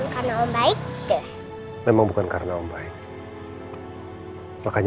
kalo papa suka bacain aku dongeng